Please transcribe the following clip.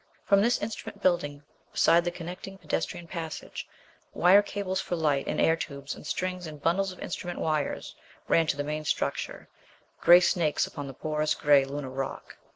From this instrument building, beside the connecting pedestrian passage, wire cables for light, and air tubes and strings and bundles of instrument wires ran to the main structure gray snakes upon the porous, gray Lunar rock.